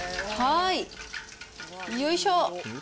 よいしょ。